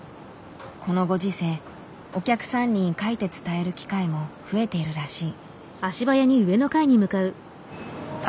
このご時世お客さんに書いて伝える機会も増えているらしい。